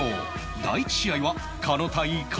第１試合は狩野対川島